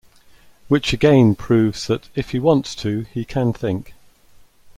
Which again proves that if he wants to, he can think.